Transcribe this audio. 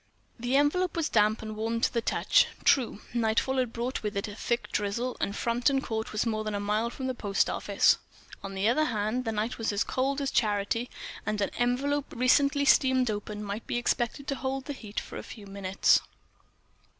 The envelope was damp and warm to the touch. True: nightfall had brought with it a thick drizzle, and Frampton Court was more than a mile from the post office. On the other hand, the night was as cold as charity; and an envelope recently steamed open might be expected to hold the heat for a few minutes.